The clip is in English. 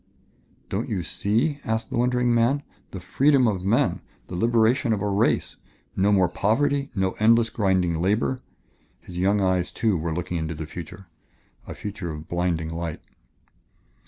"Don't you see?" asked the wondering man. "The freedom of men the liberation of a race. No more poverty, no endless, grinding labor." His young eyes, too, were looking into the future, a future of blinding light.